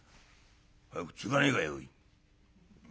早くつがねえかよおい」。